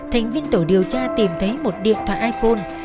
thành viên tổ điều tra tìm thấy một điện thoại iphone